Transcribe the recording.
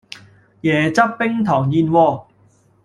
椰汁冰糖燕窩